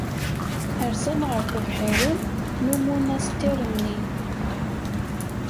Rzan ɣef tebḥirin n umunastir-nni.